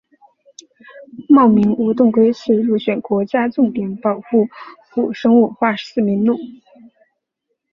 茂名无盾龟是入选国家重点保护古生物化石名录。